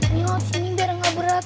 ini sini biar nggak berat